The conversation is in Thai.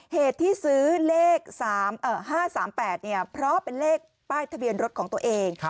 เหตุที่ซื้อเลข๕๓๘เพราะเป็นเลขป้ายทะเบียนรถของตัวเอง